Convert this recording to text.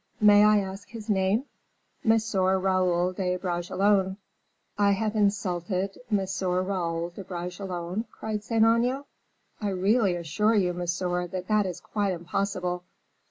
May I ask his name?" "M. Raoul de Bragelonne." "I have insulted M. Raoul de Bragelonne!" cried Saint Aignan. "I really assure you, monsieur, that it is quite impossible; for M.